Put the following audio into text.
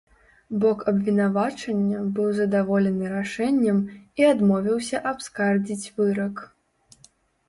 Бок абвінавачання быў задаволены рашэннем і адмовіўся абскардзіць вырак.